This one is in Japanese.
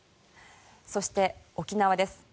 そして、沖縄です。